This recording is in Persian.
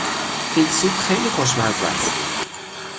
این سوپ خیلی خوشمزه است.